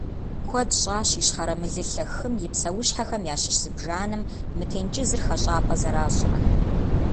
Куэд щӀащ Ищхъэрэ Мылылъэ хым и псэущхьэхэм ящыщ зыбжанэм мы тенджызыр хэщӀапӀэ зэращӀрэ.